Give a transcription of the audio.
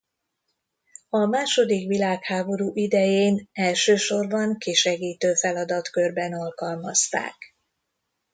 A második világháború idején elsősorban kisegítő feladatkörben alkalmazták.